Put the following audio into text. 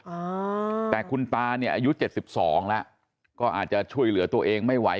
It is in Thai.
อ่าแต่คุณตาเนี่ยอายุเจ็ดสิบสองแล้วก็อาจจะช่วยเหลือตัวเองไม่ไหว